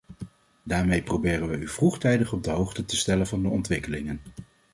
Daarmee proberen wij u vroegtijdig op de hoogte te stellen van de ontwikkelingen.